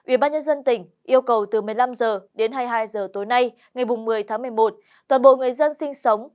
ubnd tỉnh yêu cầu từ một mươi năm h đến hai mươi hai h tối nay ngày một mươi tháng một mươi một toàn bộ người dân sinh sống